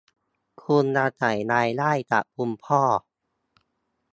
คุณอาศัยรายได้จากคุณพ่อ